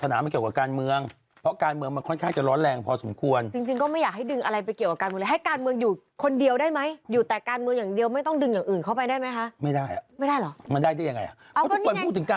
ดึงวัดไปเกี่ยวกับการเมืองเพราะว่าตอนนี้จริงแล้วเขา